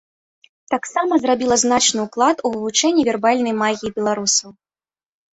Таксама зрабіла значны ўклад у вывучэнне вербальнай магіі беларусаў.